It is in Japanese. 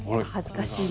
恥ずかしい。